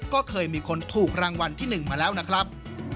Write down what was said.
ก็เคยมีคนถูกรางวัลที่๑มาแล้วนะครับ